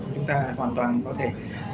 chúng ta hoàn toàn có thể